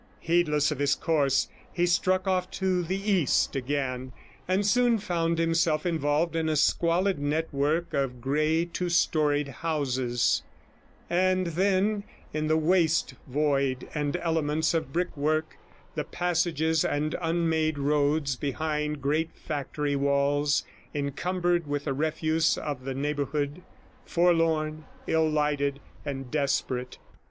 Heedless of his course, he struck off to the east again, and soon found himself involved in a squalid network of grey two storied houses, and then in the waste void and elements of brickwork, the passages and unmade roads behind great factory walls, encumbered with the refuse of the neighbourhood, forlorn, illlighted, and desperate.